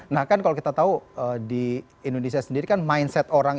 nah kan kalau kita tahu di indonesia sendiri kan mindset orang